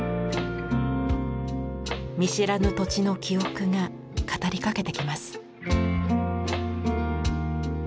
見知らぬ土地の記憶が語りかけてきます。